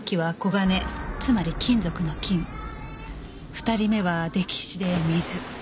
２人目は溺死で水。